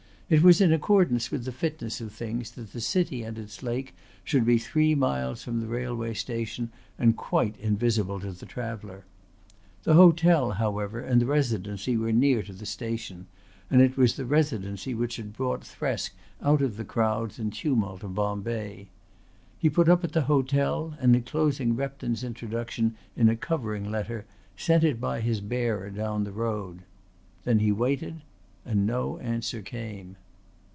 It was in accordance with the fitness of things that the city and its lake should be three miles from the railway station and quite invisible to the traveller. The hotel however and the Residency were near to the station, and it was the Residency which had brought Thresk out of the crowds and tumult of Bombay. He put up at the hotel and enclosing Repton's introduction in a covering letter sent it by his bearer down the road. Then he waited; and no answer came.